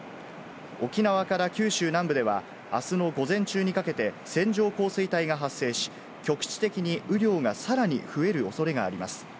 沖縄から九州南部では、あすの午前中にかけて線状降水帯が発生し、局地的に雨量がさらに増える恐れがあります。